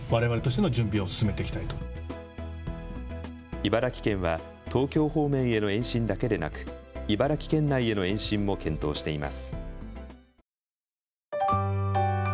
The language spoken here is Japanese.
茨城県は東京方面への延伸だけでなく茨城県内への延伸も検討しています。